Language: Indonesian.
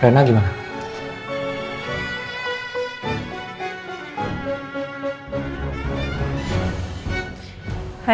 karena aku mau ketemu sama elsa